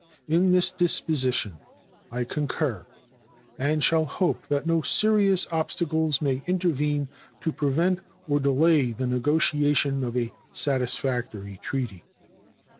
In this disposition I concur, and shall hope that no serious obstacles may intervene to prevent or delay the negotiation of a satisfactory treaty.